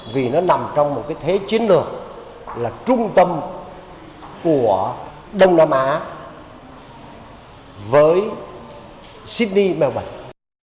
vì nó nằm trong một cái thế chiến lược là trung tâm của đông nam á với sydney melbourne